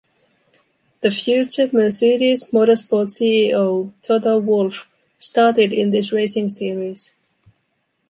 The future Mercedes-Motorsport CEO Toto Wolff started in this racing series.